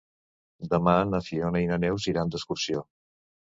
Demà na Fiona i na Neus iran d'excursió.